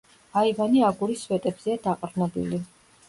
აივანი აგურის სვეტებზეა დაყრდნობილი.